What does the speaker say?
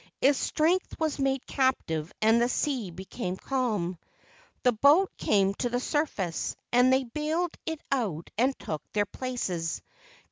Its strength was made captive and the sea became calm. The boat came to the surface, and they bailed it out and took their places.